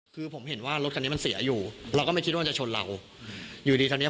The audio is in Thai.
คือผมเห็นว่ารถคันนี้มันเสียอยู่เราก็ไม่คิดว่ามันจะชนเราอยู่ดีคราวเนี้ย